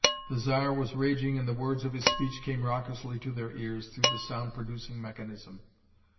The Zar was raging and the words of his speech came raucously to their ears through the sound producing mechanism.